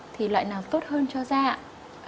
thì loại nào tốt hơn cho da ạ